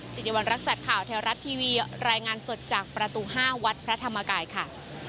สิริวัณรักษัตริย์ข่าวแท้รัฐทีวีรายงานสดจากประตู๕วัดพระธรรมกายค่ะ